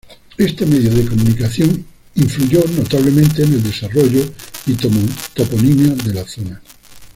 Este medio de comunicación, influyó notablemente en el desarrollo y toponimia de la zona.